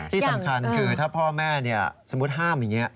ที่สำคัญคือถ้าพ่อแม่สมมุติห้ามอย่างนี้